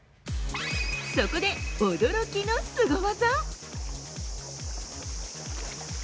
そこで、驚きのスゴ技。